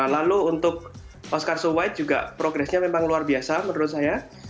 lalu untuk oscarsu white juga progresnya memang luar biasa menurut saya